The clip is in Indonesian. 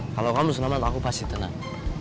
kalau kamu selamat aku pasti tenang